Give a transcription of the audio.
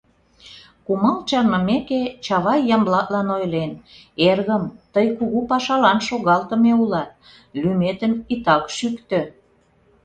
Кумал чарнымеке, Чавай Ямблатлан ойлен: «Эргым, тый кугу пашалан шогалтыме улат, лӱметым итак шӱктӧ!